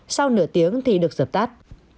sau nửa tiếng thì được dập tắt